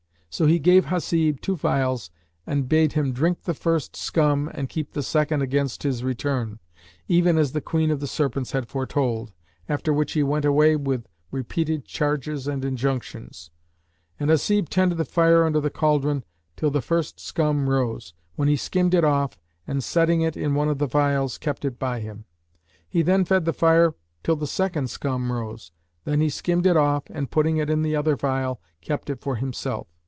So he gave Hasib two phials and bade him drink the first scum and keep the second against his return,[FN#574] even as the Queen of the Serpents had foretold; after which he went away with repeated charges and injunctions; and Hasib tended the fire under the cauldron till the first scum rose, when he skimmed it off and, setting it in one of the phials, kept it by him. He then fed the fire till the second scum rose; then he skimmed it off and, putting it in the other phial kept it for himself.